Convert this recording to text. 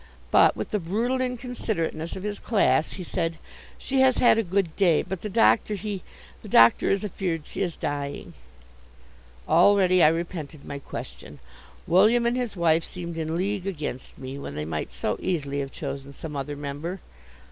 But, with the brutal inconsiderateness of his class, he said: "She has had a good day, but the doctor, he the doctor is afeard she is dying." Already I repented my question. William and his wife seemed in league against me, when they might so easily have chosen some other member.